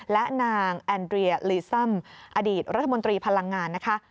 และนางแอนเรียลีซัมอดีตรัฐมนตรีพลังงานนะคะ